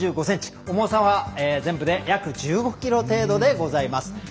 重さは全部で約１５ｋｇ程度でございます。